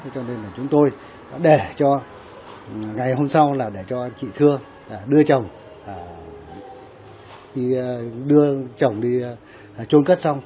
cho nên là chúng tôi đã để cho ngày hôm sau là để cho chị thưa đưa chồng đi trôn cất xong